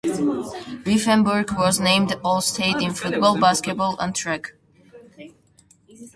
Rifenburg was named All State in football, basketball and track.